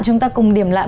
chúng ta cùng điểm lại